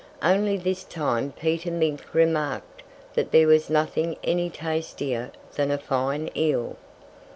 Only this time Peter Mink remarked that there was nothing any tastier than a fine eel.